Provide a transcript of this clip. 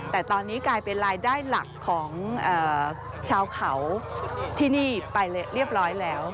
แต่ตอนนี้กลายเป็นรายได้หลักของชาวเขาที่นี่ไปเรียบร้อยแล้ว